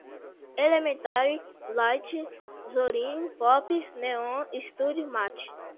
elementary, lite, zorin, pop, neon, studio, mate